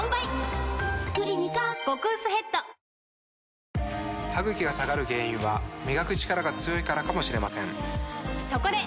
「クリニカ」極薄ヘッド歯ぐきが下がる原因は磨くチカラが強いからかもしれませんそこで！